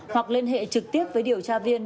hoặc liên hệ trực tiếp với điều tra viên